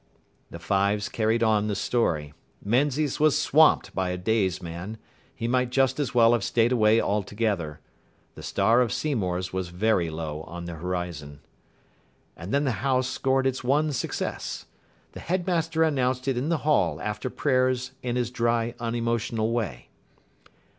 The Fives carried on the story. Menzies was swamped by a Day's man. He might just as well have stayed away altogether. The star of Seymour's was very low on the horizon. And then the house scored its one success. The headmaster announced it in the Hall after prayers in his dry, unemotional way.